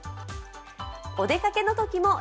お出かけのときもＳＤ